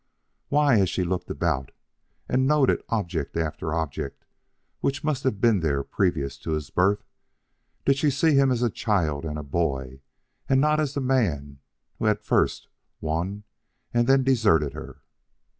Why, as she looked about, and noted object after object which must have been there previous to his birth, did she see him as a child and boy and not as the man who had first won and then deserted her?